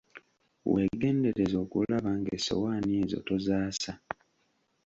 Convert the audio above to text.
Weegendereze okulaba ng'essowaani ezo tozaasa.